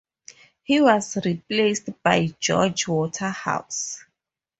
He was replaced by George Waterhouse.